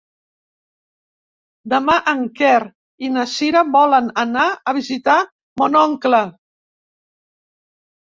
Demà en Quer i na Cira volen anar a visitar mon oncle.